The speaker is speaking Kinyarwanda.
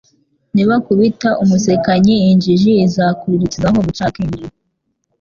Nibakubita umusekanyi injiji izakurizaho guca akenge